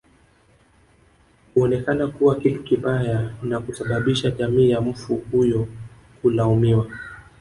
Huonekana kuwa kitu kibaya na kusababisha jamii ya mfu huyo kulaumiwa